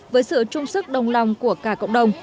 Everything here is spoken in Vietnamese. với sự trung sức đồng lòng của cả cộng đồng